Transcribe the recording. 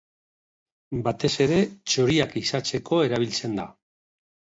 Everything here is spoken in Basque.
Batez ere, txoriak ehizatzeko erabiltzen da.